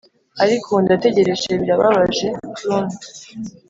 ariko ubu ndategereje, birababaje clown,